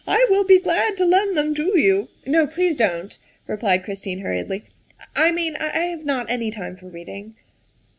I will be glad to lend them to you. '''' No, please don 't, '' replied Christine hurriedly, '' I mean, I have not any time for reading.